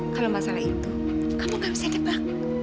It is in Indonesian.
kalau masalah itu kamu gak usah debat